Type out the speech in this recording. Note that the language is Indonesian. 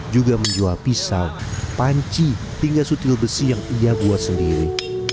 juga menjual pisau panci hingga sutil besi yang ia buat sendiri